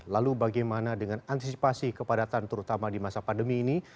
lalu bagaimana dengan antisipasi kepadatan terutama di masa pandemi ini